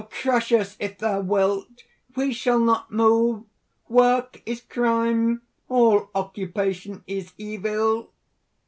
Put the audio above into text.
crush us if thou wilt! we shall not move! Work is crime; all occupation is evil."